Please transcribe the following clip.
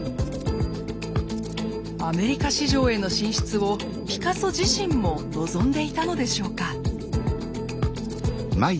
アメリカ市場への進出をピカソ自身も望んでいたのでしょうか？